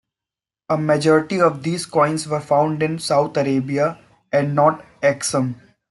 A majority of these coins were found in South Arabia and not Aksum.